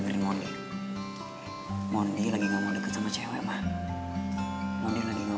dengerin mondi mondi lagi ngomong deket sama cewek mah